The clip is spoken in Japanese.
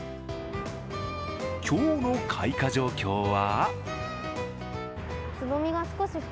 今日の開花状況は？